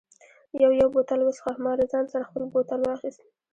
یو یو بوتل و څښه، ما له ځان سره خپل بوتل واخیست.